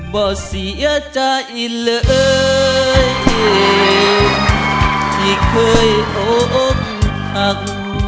บ่เสียใจเลยที่เคยโอ้โอ้หัก